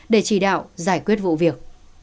để chỉ đạo giải quyết vụ việc